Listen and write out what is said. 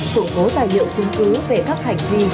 củng cố tài liệu chứng cứ về các hành vi